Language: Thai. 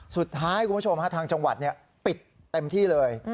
สุดท้ายทางจังหวัดปิดเต็มที่เลย